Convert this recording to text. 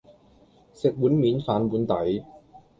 食碗面反碗底